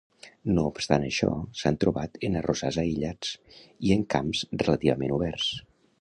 No obstant això, s'han trobat en arrossars aïllats i en camps relativament oberts.